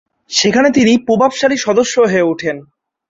সেখানে তিনি প্রভাবশালী সদস্য হয়ে ওঠেন।